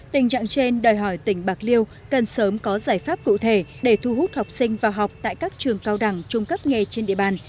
tình trạng trên đòi hỏi tỉnh bạc liêu cần sớm có giải pháp cụ thể để thu hút học sinh vào học tại các trường cao đẳng trung cấp nghề trên địa bàn